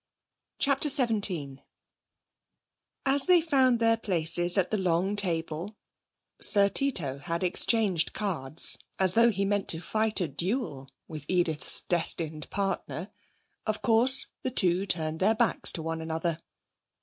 CHAPTER XVII As they found their places at the long table (Sir Tito had exchanged cards, as though he meant to fight a duel with Edith's destined partner) of course the two turned their backs to one another.